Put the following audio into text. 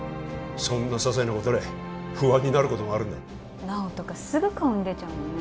そんなささいなことで不安になることもあるんだ菜緒とかすぐ顔に出ちゃうもんね